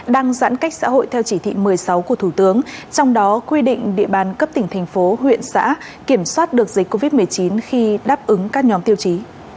đang giãn cách xã hội theo chỉ thị một mươi sáu của thủ tướng trong đó quy định địa bàn cấp tỉnh thành phố huyện xã kiểm soát được dịch covid một mươi chín khi đáp ứng các nhóm tiêu chí